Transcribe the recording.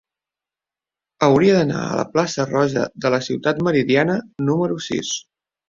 Hauria d'anar a la plaça Roja de la Ciutat Meridiana número sis.